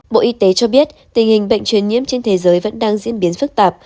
bộ y tế cho biết tình hình bệnh truyền nhiễm trên thế giới vẫn đang diễn biến phức tạp